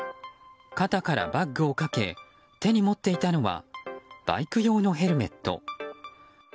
肩からバッグをかけ手に持っていたのはバイク用のヘルメット。